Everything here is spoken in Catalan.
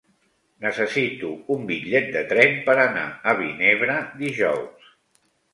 Necessito un bitllet de tren per anar a Vinebre dijous.